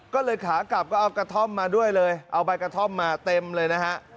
ก็เลยขากลับก็เอากระท่อมมาด้วยเลยเอาใบกระท่อมมาเต็มเลยนะฮะ